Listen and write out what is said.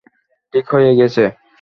ঠিক হয়ে গেছে।